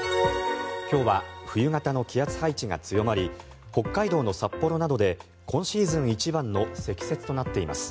今日は冬型の気圧配置が強まり北海道の札幌などで今シーズン一番の積雪となっています。